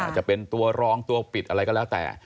จะเป็นตัวรองตัวปิดอะไรก็แล้วแต่